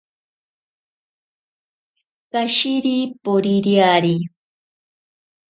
Kashiri poririari.